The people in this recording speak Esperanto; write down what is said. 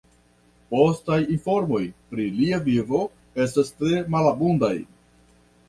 Postaj informoj pri lia vivo estas tre malabundaj.